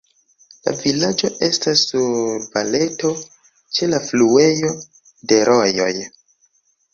La vilaĝo estas sur valeto, ĉe la fluejo de rojoj.